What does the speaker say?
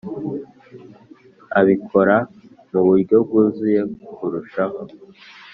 Abikora mu buryo bwuzuye kurushaho